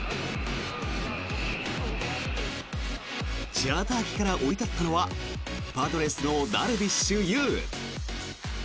チャーター機から降り立ったのはパドレスのダルビッシュ有。